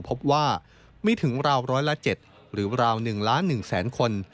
พบว่าไม่ถึงราวร้อยละ๗หรือราว๑ล้าน๑แสนคน